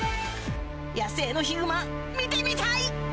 野生のヒグマ見てみたい！